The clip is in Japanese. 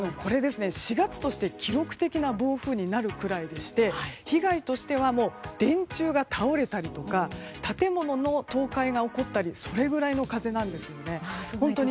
４月として記録的な暴風になるぐらいでして被害としては、電柱が倒れたり建物の倒壊が起こったりそれぐらいの風なんです。